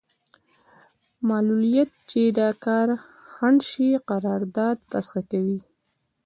معلولیت چې د کار خنډ شي قرارداد فسخه کوي.